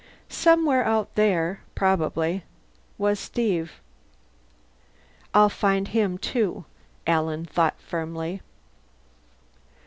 Somewhere out there, probably, was Steve. I'll find him too, Alan thought firmly.